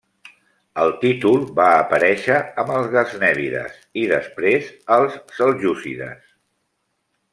El títol va aparèixer amb els gaznèvides i després els seljúcides.